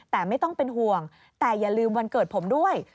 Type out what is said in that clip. แต่ไม่ต้องเป็นห่วงแต่อย่าลืมวันเกิดผมด้วย